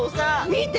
見て！